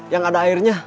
yang ada airnya